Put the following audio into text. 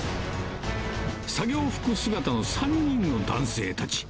作業服姿の３人の男性たち。